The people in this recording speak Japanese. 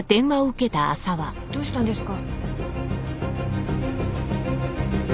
どうしたんですか？